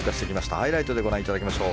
ハイライトでご覧いただきましょう。